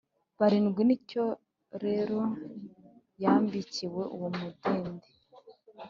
barindwi ni cyo rero yambikiwe uwo mudende